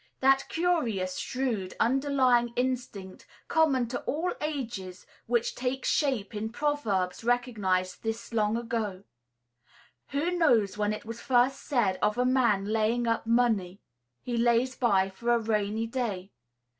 That curious, shrewd, underlying instinct, common to all ages, which takes shape in proverbs recognized this long ago. Who knows when it was first said of a man laying up money, "He lays by for a rainy day"?